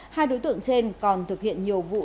hai đối tượng trên còn thực hiện nhiều vụ